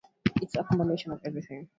It's a combination of everything.